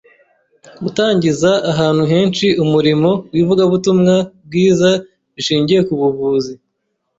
gutangiza ahantu henshi umurimo w’ivugabutumwa bwiza rishingiye ku buvuzi.